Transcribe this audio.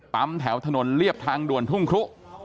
แถวถนนเรียบทางด่วนทุ่งครุ